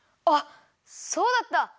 あっそうだった！